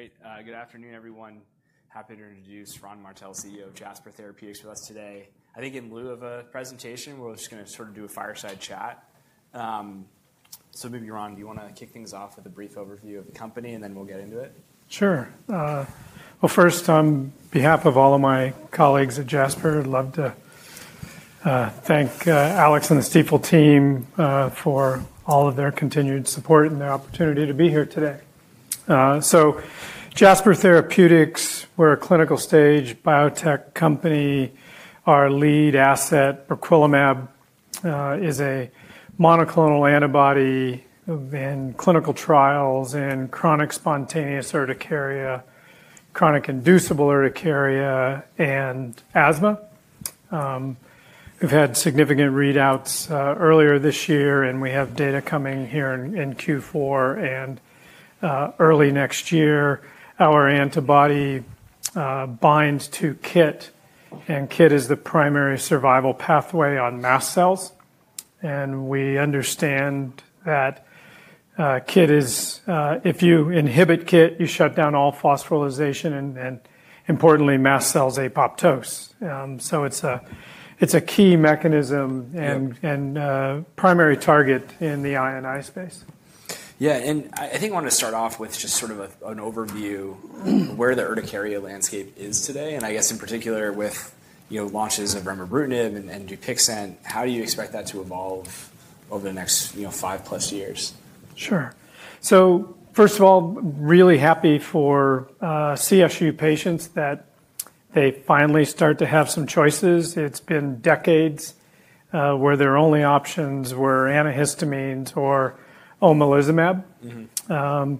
Great. Good afternoon, everyone. Happy to introduce Ron Martell, CEO of Jasper Therapeutics, with us today. I think in lieu of a presentation, we're just gonna sort of do a fireside chat. Maybe, Ron, do you wanna kick things off with a brief overview of the company, and then we'll get into it? Sure. First, on behalf of all of my colleagues at Jasper, I'd love to thank Alex and the Stifel team for all of their continued support and the opportunity to be here today. Jasper Therapeutics, we're a clinical stage biotech company. Our lead asset, briquilimab, is a monoclonal antibody in clinical trials in chronic spontaneous urticaria, chronic inducible urticaria, and asthma. We've had significant readouts earlier this year, and we have data coming here in Q4 and early next year. Our antibody binds to Kit, and Kit is the primary survival pathway on mast cells. We understand that if you inhibit Kit, you shut down all phosphorylation and, importantly, mast cells apoptose. It is a key mechanism and primary target in the INI space. Yeah. I think I wanna start off with just sort of an overview of where the urticaria landscape is today. I guess in particular with, you know, launches of remibrutinib and DUPIXENT, how do you expect that to evolve over the next, you know, 5+ years? Sure. So first of all, really happy for CSU patients that they finally start to have some choices. It's been decades, where their only options were antihistamines or omalizumab. Mm-hmm.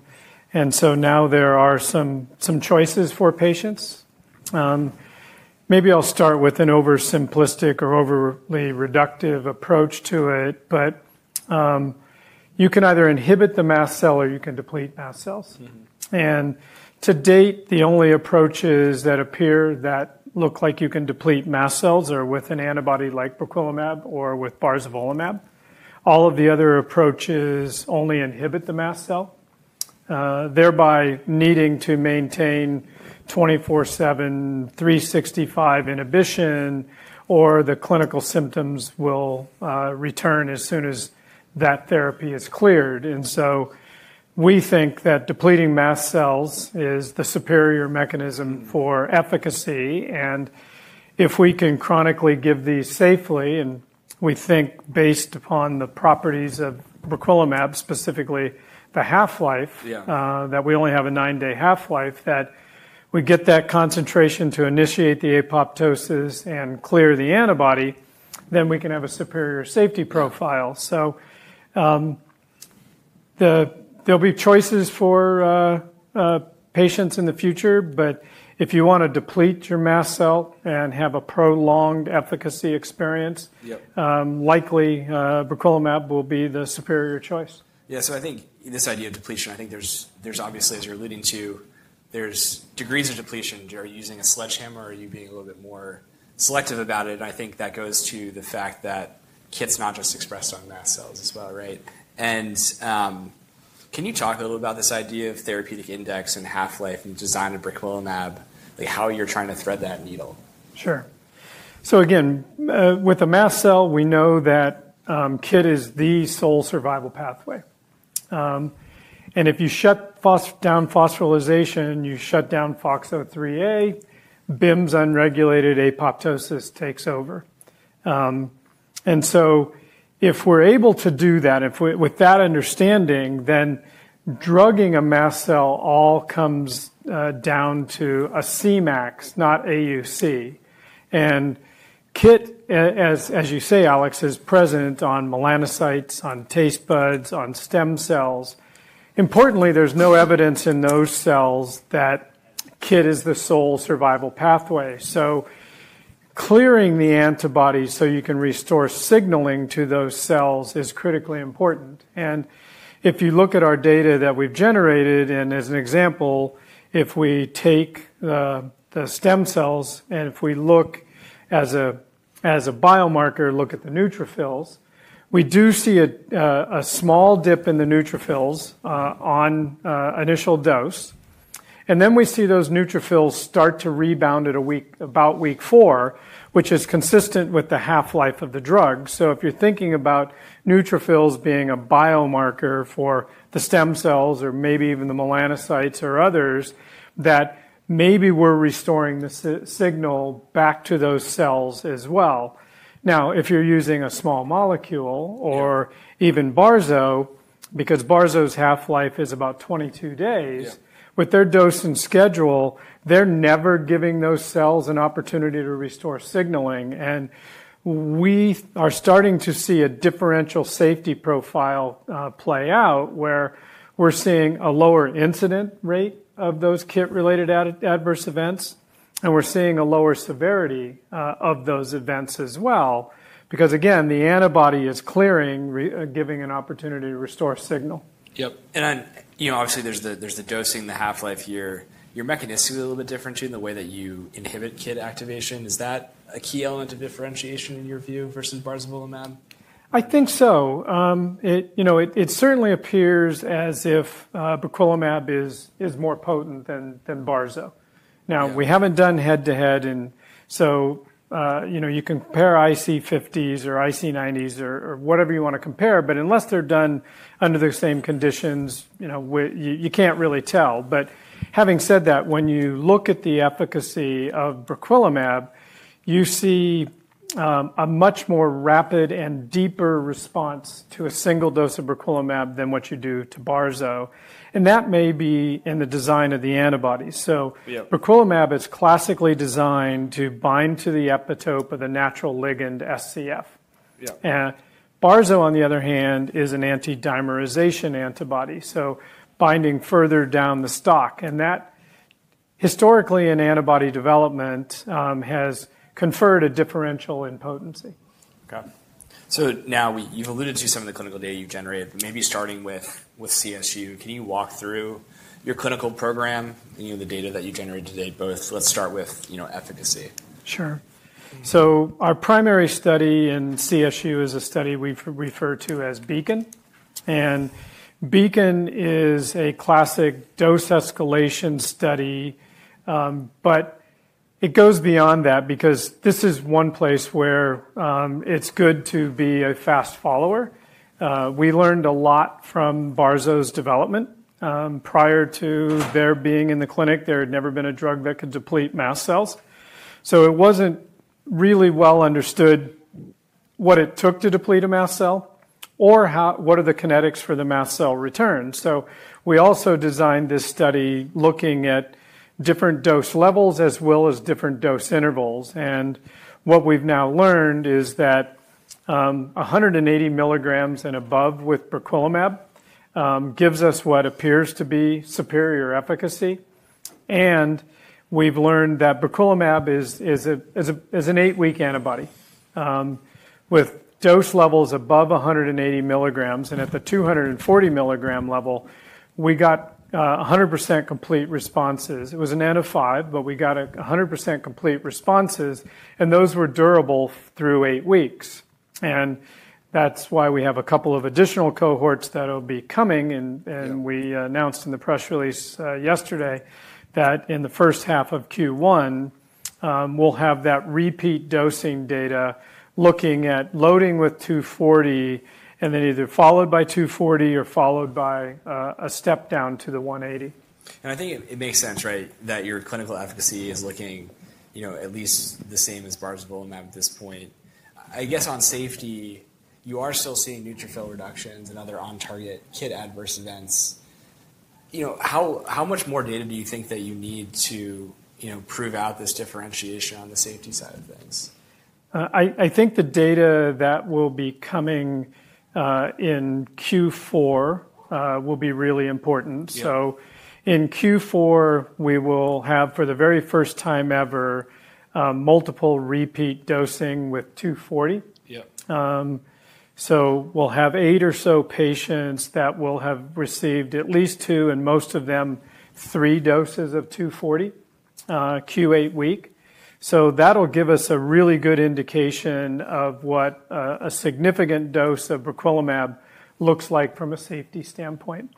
And so now there are some choices for patients. Maybe I'll start with an oversimplistic or overly reductive approach to it, but you can either inhibit the mast cell or you can deplete mast cells. Mm-hmm. To date, the only approaches that appear that look like you can deplete mast cells are with an antibody like briquilimab or with barzolvolimab. All of the other approaches only inhibit the mast cell, thereby needing to maintain 24/7, 365 inhibition, or the clinical symptoms will return as soon as that therapy is cleared. We think that depleting mast cells is the superior mechanism for efficacy. If we can chronically give these safely, and we think based upon the properties of briquilimab, specifically the half-life. Yeah. that we only have a nine-day half-life, that we get that concentration to initiate the apoptosis and clear the antibody, then we can have a superior safety profile. There'll be choices for patients in the future, but if you wanna deplete your mast cell and have a prolonged efficacy experience. Yep. Likely, briquilimab will be the superior choice. Yeah. I think this idea of depletion, I think there's obviously, as you're alluding to, there's degrees of depletion. Are you using a sledgehammer? Are you being a little bit more selective about it? I think that goes to the fact that Kit's not just expressed on mast cells as well, right? Can you talk a little about this idea of therapeutic index and half-life and design of briquilimab, like how you're trying to thread that needle? Sure. So again, with a mast cell, we know that Kit is the sole survival pathway. If you shut down phosphorylation, you shut down FOXO3a, BIM's unregulated apoptosis takes over. If we're able to do that, with that understanding, then drugging a mast cell all comes down to a Cmax, not AUC. Kit, as you say, Alex, is present on melanocytes, on taste buds, on stem cells. Importantly, there's no evidence in those cells that Kit is the sole survival pathway. Clearing the antibody so you can restore signaling to those cells is critically important. If you look at our data that we've generated, and as an example, if we take the stem cells and if we look as a biomarker, look at the neutrophils, we do see a small dip in the neutrophils on initial dose. Then we see those neutrophils start to rebound at about week four, which is consistent with the half-life of the drug. If you're thinking about neutrophils being a biomarker for the stem cells or maybe even the melanocytes or others, maybe we're restoring the SCF signal back to those cells as well. Now, if you're using a small molecule or even barzolvolimab, because barzolvolimab's half-life is about 22 days. Yeah. With their dose and schedule, they're never giving those cells an opportunity to restore signaling. We are starting to see a differential safety profile play out where we're seeing a lower incident rate of those Kit-related adverse events, and we're seeing a lower severity of those events as well, because again, the antibody is clearing, giving an opportunity to restore signal. Yep. And, you know, obviously there's the, there's the dosing, the half-life here. You're mechanistically a little bit different too, in the way that you inhibit Kit activation. Is that a key element of differentiation in your view versus barzolvolimab? I think so. It, you know, it certainly appears as if briquilimab is more potent than barzolvolimab. Now, we have not done head-to-head, and so, you know, you can compare IC50s or IC90s or whatever you want to compare, but unless they are done under the same conditions, you cannot really tell. Having said that, when you look at the efficacy of briquilimab, you see a much more rapid and deeper response to a single dose of briquilimab than what you do to barzolvolimab. That may be in the design of the antibody. Yeah. Briquilimab is classically designed to bind to the epitope of the natural ligand SCF. Yeah. Barzo, on the other hand, is an anti-dimerization antibody, so binding further down the stalk. That historically in antibody development has conferred a differential in potency. Okay. Now, you've alluded to some of the clinical data you've generated, but maybe starting with CSU, can you walk through your clinical program and, you know, the data that you've generated to date, both? Let's start with, you know, efficacy. Sure. Our primary study in CSU is a study we've referred to as Beacon. Beacon is a classic dose escalation study, but it goes beyond that because this is one place where it's good to be a fast follower. We learned a lot from barzolvolimab's development. Prior to there being in the clinic, there had never been a drug that could deplete mast cells. It wasn't really well understood what it took to deplete a mast cell or what the kinetics are for the mast cell return. We also designed this study looking at different dose levels as well as different dose intervals. What we've now learned is that 180 mg and above with briquilimab gives us what appears to be superior efficacy. We've learned that briquilimab is an eight-week antibody with dose levels above 180 mg. At the 240 mg level, we got 100% complete responses. It was an n of five, but we got 100% complete responses, and those were durable through eight weeks. That is why we have a couple of additional cohorts that'll be coming. We announced in the press release yesterday that in the first half of Q1, we'll have that repeat dosing data looking at loading with 240 and then either followed by 240 or followed by a step down to the 180. I think it makes sense, right, that your clinical efficacy is looking, you know, at least the same as barzolvolimab at this point. I guess on safety, you are still seeing neutrophil reductions and other on-target Kit-adverse events. You know, how much more data do you think that you need to, you know, prove out this differentiation on the safety side of things? I think the data that will be coming in Q4 will be really important. Yeah. In Q4, we will have, for the very first time ever, multiple repeat dosing with 240. Yep. We'll have eight or so patients that will have received at least two, and most of them three doses of 240, Q8 week. That will give us a really good indication of what a significant dose of briquilimab looks like from a safety standpoint.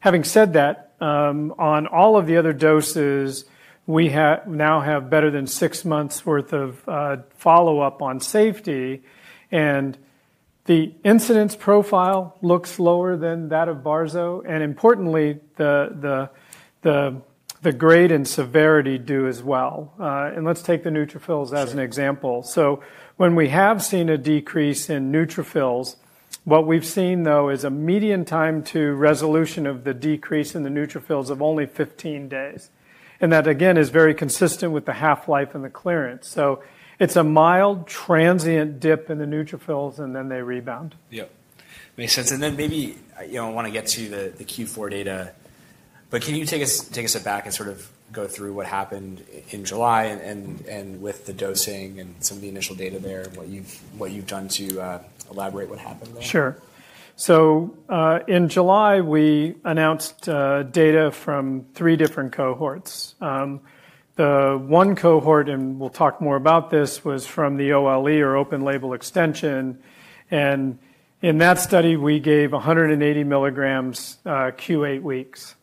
Having said that, on all of the other doses, we now have better than six months' worth of follow-up on safety. The incidence profile looks lower than that of barzolvolimab. Importantly, the grade and severity do as well. Let's take the neutrophils as an example. Sure. When we have seen a decrease in neutrophils, what we've seen though is a median time to resolution of the decrease in the neutrophils of only 15 days. That again is very consistent with the half-life and the clearance. It's a mild transient dip in the neutrophils, and then they rebound. Yep. Makes sense. Maybe, you know, I wanna get to the Q4 data, but can you take us back and sort of go through what happened in July and with the dosing and some of the initial data there and what you've done to elaborate what happened there? Sure. In July, we announced data from three different cohorts. The one cohort, and we'll talk more about this, was from the OLE or open label extension. In that study, we gave 180 mg Q8 weeks.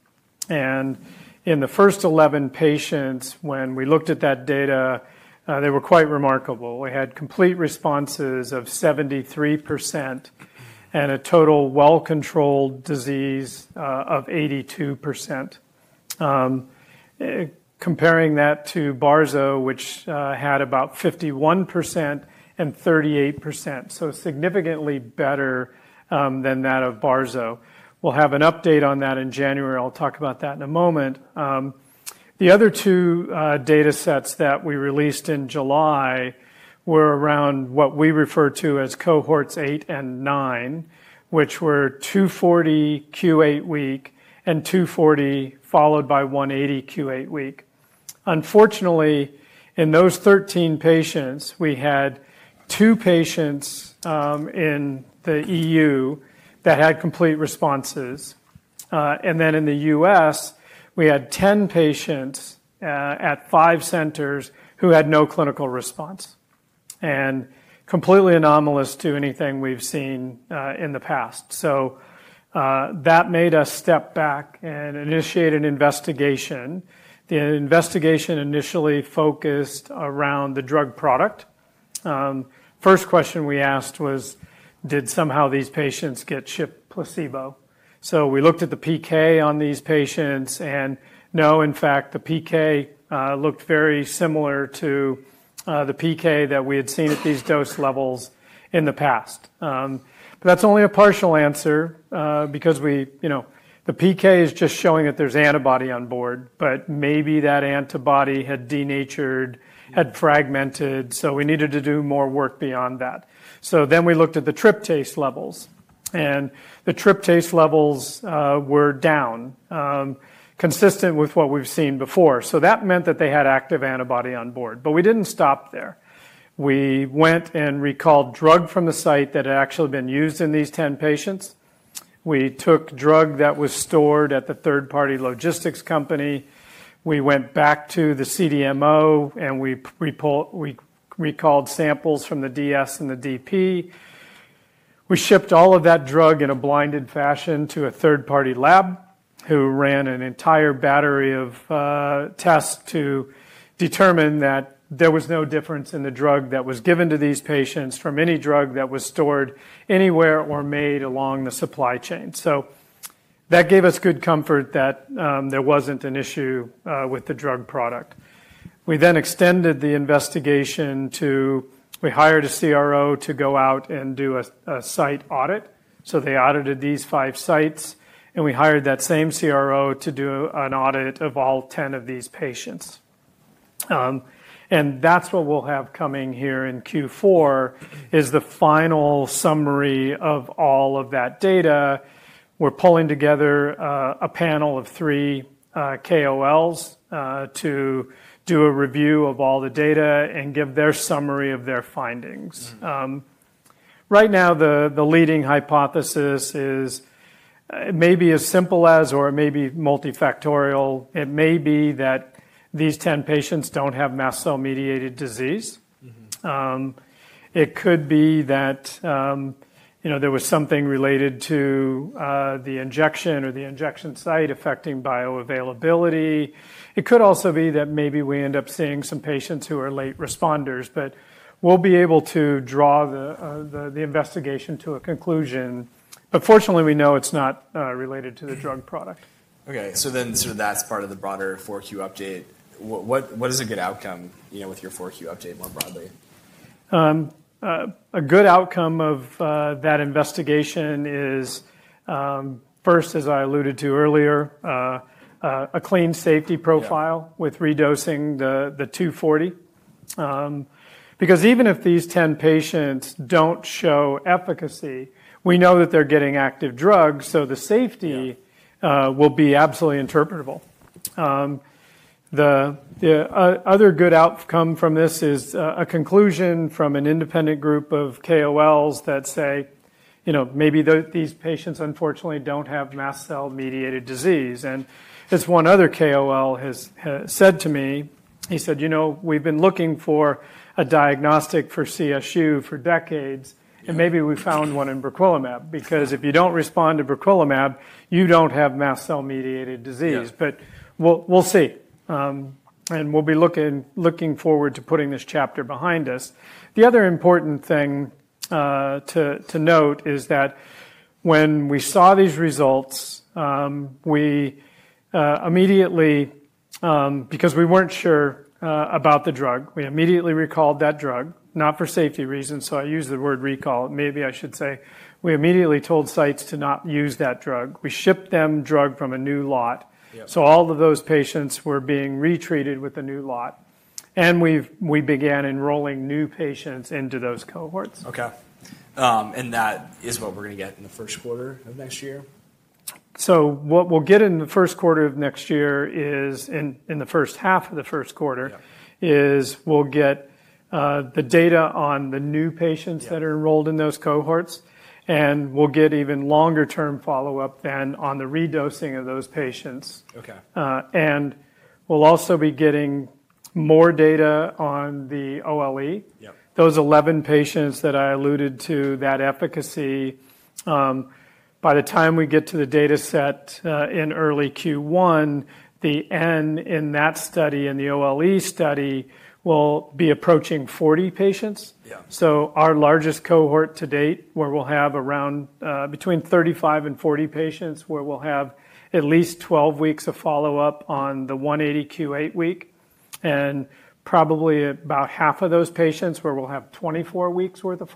In the first 11 patients, when we looked at that data, they were quite remarkable. We had complete responses of 73% and a total well-controlled disease of 82%. Comparing that to barzolvolimab, which had about 51% and 38%, so significantly better than that of barzolvolimab. We'll have an update on that in January. I'll talk about that in a moment. The other two data sets that we released in July were around what we refer to as cohorts eight and nine, which were 240 Q8 week and 240 followed by 180 Q8 week. Unfortunately, in those 13 patients, we had two patients in the EU that had complete responses. and then in the U.S., we had 10 patients, at five centers who had no clinical response, and completely anomalous to anything we've seen, in the past. That made us step back and initiate an investigation. The investigation initially focused around the drug product. First question we asked was, did somehow these patients get shipped placebo? We looked at the PK on these patients and no, in fact, the PK looked very similar to the PK that we had seen at these dose levels in the past. That's only a partial answer, because we, you know, the PK is just showing that there's antibody on board, but maybe that antibody had denatured, had fragmented, so we needed to do more work beyond that. Then we looked at the tryptase levels, and the tryptase levels were down, consistent with what we've seen before. That meant that they had active antibody on board. We did not stop there. We went and recalled drug from the site that had actually been used in these 10 patients. We took drug that was stored at the third-party logistics company. We went back to the CDMO and we recalled samples from the DS and the DP. We shipped all of that drug in a blinded fashion to a third-party lab who ran an entire battery of tests to determine that there was no difference in the drug that was given to these patients from any drug that was stored anywhere or made along the supply chain. That gave us good comfort that there was not an issue with the drug product. We then extended the investigation to, we hired a CRO to go out and do a site audit. They audited these five sites, and we hired that same CRO to do an audit of all 10 of these patients. That's what we'll have coming here in Q4 is the final summary of all of that data. We're pulling together a panel of three KOLs to do a review of all the data and give their summary of their findings. Mm-hmm. Right now, the leading hypothesis is, it may be as simple as, or it may be multifactorial. It may be that these 10 patients don't have mast cell-mediated disease. Mm-hmm. It could be that, you know, there was something related to the injection or the injection site affecting bioavailability. It could also be that maybe we end up seeing some patients who are late responders, but we'll be able to draw the investigation to a conclusion. Fortunately, we know it's not related to the drug product. Okay. So then that's part of the broader 4Q update. What is a good outcome, you know, with your 4Q update more broadly? A good outcome of that investigation is, first, as I alluded to earlier, a clean safety profile with redosing the 240. Because even if these 10 patients do not show efficacy, we know that they are getting active drug, so the safety. Yeah. will be absolutely interpretable. The other good outcome from this is, a conclusion from an independent group of KOLs that say, you know, maybe these patients unfortunately don't have mast cell-mediated disease. As one other KOL has said to me, he said, you know, we've been looking for a diagnostic for CSU for decades. Yeah. Maybe we found one in briquilimab because if you do not respond to briquilimab, you do not have mast cell-mediated disease. Yeah. We'll see, and we'll be looking forward to putting this chapter behind us. The other important thing to note is that when we saw these results, we immediately, because we weren't sure about the drug, we immediately recalled that drug, not for safety reasons. I use the word recall. Maybe I should say we immediately told sites to not use that drug. We shipped them drug from a new lot. Yeah. All of those patients were being retreated with a new lot. We began enrolling new patients into those cohorts. Okay. And that is what we're gonna get in the first quarter of next year? What we'll get in the first quarter of next year is, in the first half of the first quarter. Yeah. Is we'll get the data on the new patients. Yeah. That are enrolled in those cohorts. We'll get even longer-term follow-up than on the redosing of those patients. Okay. and we'll also be getting more data on the OLE. Yep. Those 11 patients that I alluded to that efficacy. By the time we get to the data set, in early Q1, the N in that study, in the OLE study, will be approaching 40 patients. Yeah. Our largest cohort to date, where we'll have around between 35-40 patients, where we'll have at least 12 weeks of follow-up on the 180 Q8 week, and probably about half of those patients where we'll have 24 weeks' worth of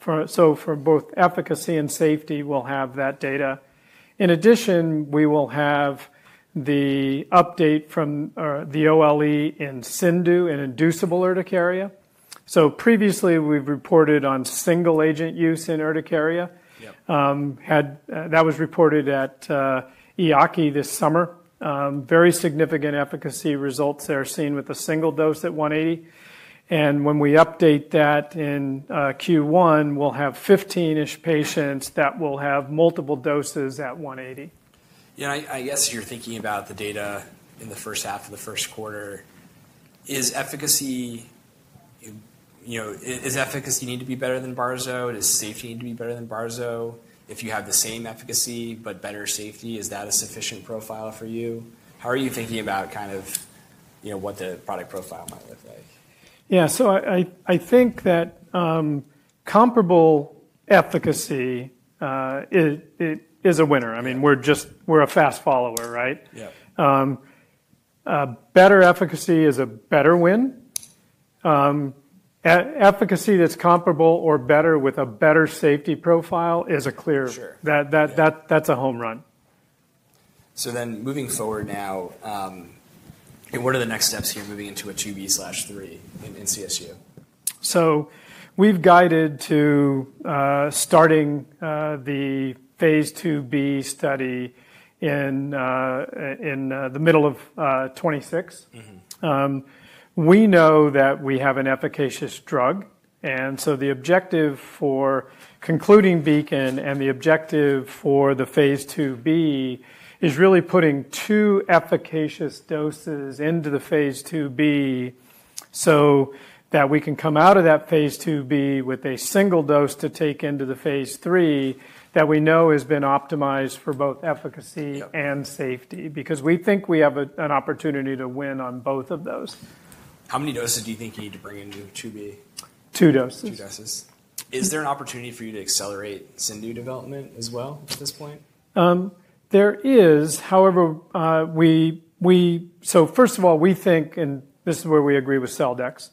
follow-up. For both efficacy and safety, we'll have that data. In addition, we will have the update from the OLE in CIndU and inducible urticaria. Previously, we've reported on single agent use in urticaria. Yep. had, that was reported at EAACI this summer. Very significant efficacy results there seen with a single dose at 180. And when we update that in Q1, we'll have 15-ish patients that will have multiple doses at 180. Yeah. I guess you're thinking about the data in the first half of the first quarter. Is efficacy, you know, is efficacy need to be better than barzolvolimab? Does safety need to be better than barzolvolimab? If you have the same efficacy but better safety, is that a sufficient profile for you? How are you thinking about kind of, you know, what the product profile might look like? Yeah. So I think that, comparable efficacy, is, is a winner. I mean, we're just, we're a fast follower, right? Yep. Better efficacy is a better win. Efficacy that's comparable or better with a better safety profile is a clear. Sure. That's a home run. Moving forward now, what are the next steps here moving into a 2B/3 in CSU? We've guided to starting the phase IIb study in the middle of 2026. Mm-hmm. We know that we have an efficacious drug. The objective for concluding Beacon and the objective for the phase IIb is really putting two efficacious doses into the phase IIb so that we can come out of that phase IIb with a single dose to take into the phase III that we know has been optimized for both efficacy and safety. Yep. Because we think we have an opportunity to win on both of those. How many doses do you think you need to bring into IIb? Two doses. Two doses. Is there an opportunity for you to accelerate CIndU development as well at this point? There is. However, we, we, so first of all, we think, and this is where we agree with Celldex,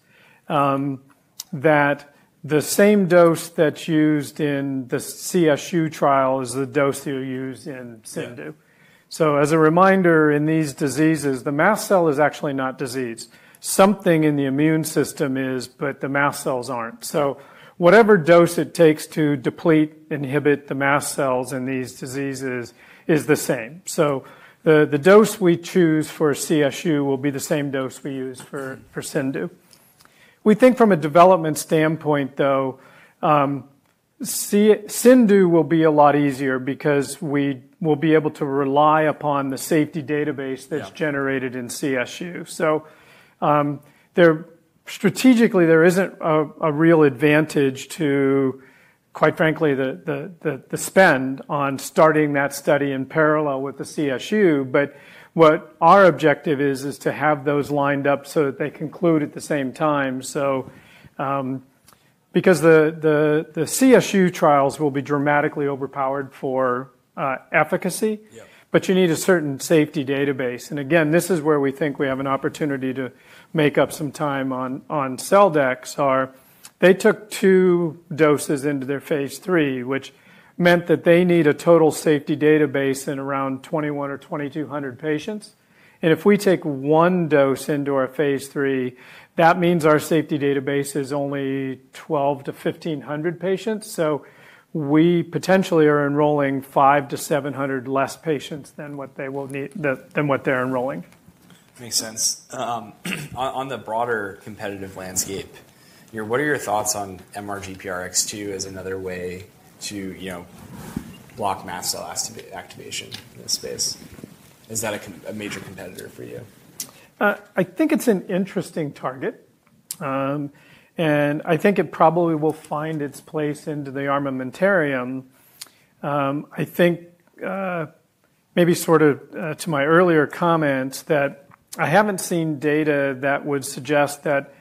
that the same dose that's used in the CSU trial is the dose that you'll use in CIndU. Yep. As a reminder, in these diseases, the mast cell is actually not diseased. Something in the immune system is, but the mast cells are not. Whatever dose it takes to deplete, inhibit the mast cells in these diseases is the same. The dose we choose for CSU will be the same dose we use for CIndU. We think from a development standpoint, though, CIndU will be a lot easier because we will be able to rely upon the safety database that is generated in CSU. There strategically, there is not a real advantage to, quite frankly, the spend on starting that study in parallel with the CSU. What our objective is, is to have those lined up so that they conclude at the same time, because the CSU trials will be dramatically overpowered for efficacy. Yep. You need a certain safety database. Again, this is where we think we have an opportunity to make up some time on Celldex. They took two doses into their phase III, which meant that they need a total safety database in around 2,100 or 2,200 patients. If we take one dose into our phase III, that means our safety database is only 1,200-1,500 patients. We potentially are enrolling 500-700 less patients than what they will need, than what they are enrolling. Makes sense. On the broader competitive landscape, your, what are your thoughts on MRGPRX2 as another way to, you know, block mast cell activation in this space? Is that a major competitor for you? I think it's an interesting target, and I think it probably will find its place into the armamentarium. I think, maybe sort of, to my earlier comments that I haven't seen data that would suggest that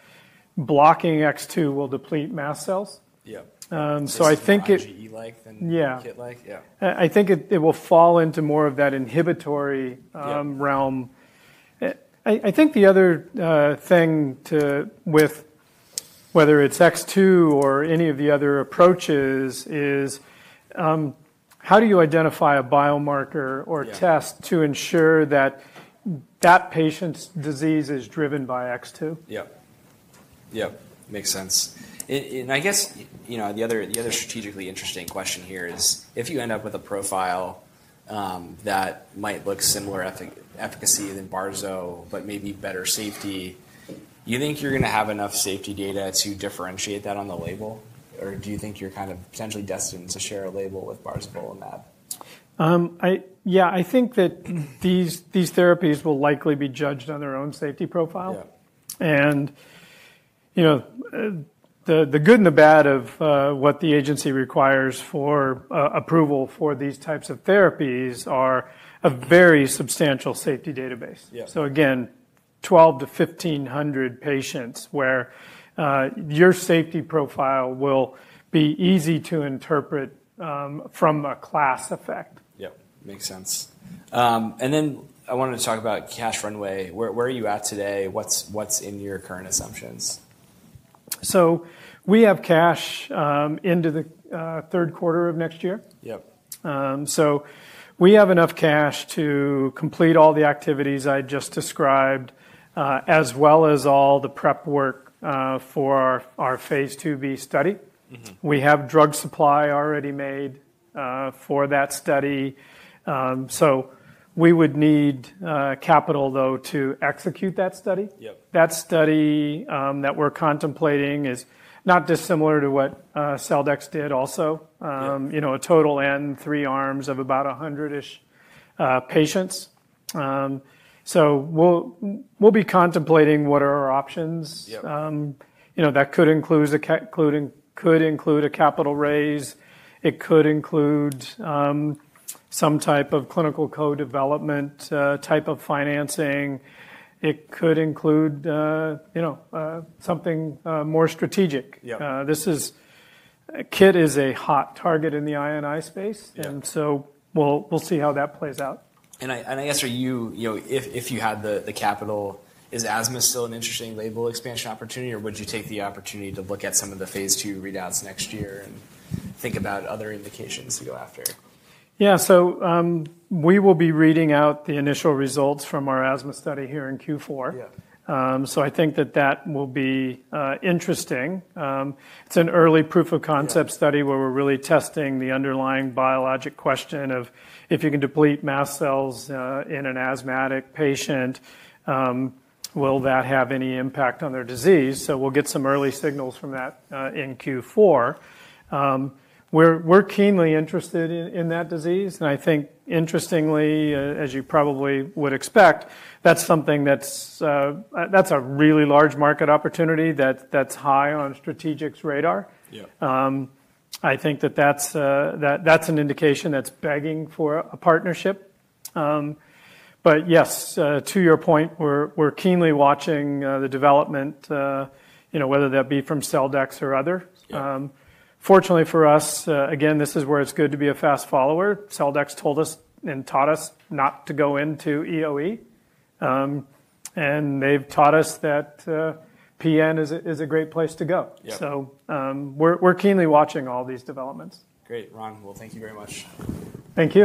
blocking MRGPRX2 will deplete mast cells. Yep. I think it. More strategy, EU-like than Kit-like. Yeah. Yeah. I think it will fall into more of that inhibitory realm. Yep. I think the other thing too, with whether it's X2 or any of the other approaches, is how do you identify a biomarker or test. Yep. To ensure that that patient's disease is driven by X2? Yep. Yep. Makes sense. I guess, you know, the other strategically interesting question here is if you end up with a profile that might look similar efficacy than barzolvolimab but maybe better safety, you think you're gonna have enough safety data to differentiate that on the label? Or do you think you're kind of potentially destined to share a label with barzolvolimab and that? Yeah, I think that these therapies will likely be judged on their own safety profile. Yep. You know, the good and the bad of what the agency requires for approval for these types of therapies are a very substantial safety database. Yep. Again, 1,200-1,500 patients where your safety profile will be easy to interpret, from a class effect. Yep. Makes sense. And then I wanted to talk about cash runway. Where are you at today? What's in your current assumptions? We have cash, into the third quarter of next year. Yep. We have enough cash to complete all the activities I just described, as well as all the prep work for our phase IIb study. Mm-hmm. We have drug supply already made for that study. We would need capital, though, to execute that study. Yep. That study, that we're contemplating is not dissimilar to what Celldex did also. Yep. you know, a total N, three arms of about 100-ish patients. so we'll, we'll be contemplating what are our options. Yep. you know, that could include a capital raise. It could include some type of clinical co-development, type of financing. It could include, you know, something more strategic. Yep. This is Kit is a hot target in the INI space. Yep. We'll see how that plays out. I guess for you, you know, if you had the capital, is asthma still an interesting label expansion opportunity, or would you take the opportunity to look at some of the phase II readouts next year and think about other indications to go after? Yeah. We will be reading out the initial results from our asthma study here in Q4. Yep. I think that will be interesting. It's an early proof of concept study where we're really testing the underlying biologic question of if you can deplete mast cells in an asthmatic patient, will that have any impact on their disease. We'll get some early signals from that in Q4. We're keenly interested in that disease. I think, interestingly, as you probably would expect, that's something that's a really large market opportunity that's high on strategic's radar. Yep. I think that's an indication that's begging for a partnership. Yes, to your point, we're keenly watching the development, you know, whether that be from Celldex or others. Yep. Fortunately for us, again, this is where it's good to be a fast follower. Celldex told us and taught us not to go into EOE. And they've taught us that PN is a, is a great place to go. Yep. We're keenly watching all these developments. Great. Ron, thank you very much. Thank you.